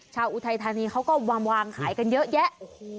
อุทัยธานีเขาก็วางขายกันเยอะแยะ